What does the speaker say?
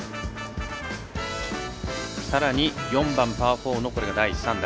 さらに４番パー４の第３打。